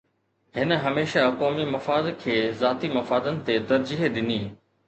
هن هميشه قومي مفاد کي ذاتي مفادن تي ترجيح ڏني